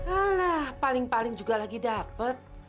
alah paling paling juga lagi dapet